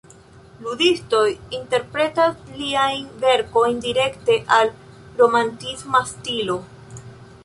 Ludistoj interpretas liajn verkojn direkte al "romantisma stilo".